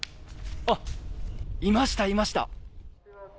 いました、いました。